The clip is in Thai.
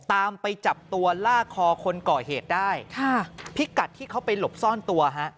ตามไปจับตัวลากคอคนก่อเหตุได้ค่ะพิกัดที่เขาไปหลบซ่อนตัวฮะ